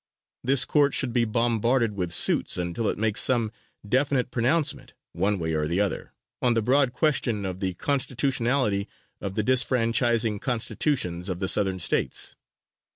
This Court should be bombarded with suits until it makes some definite pronouncement, one way or the other, on the broad question of the constitutionality of the disfranchising Constitutions of the Southern States.